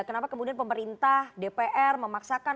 kenapa kemudian pemerintah dpr memaksakan